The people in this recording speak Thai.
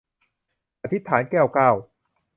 อธิษฐาน - แก้วเก้า